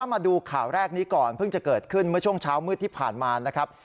มาดูข่าวแรกนี้ก่อนเพิ่งจะเกิดขึ้นเมื่อช่วงเช้ามืดที่ผ่านมานะครับ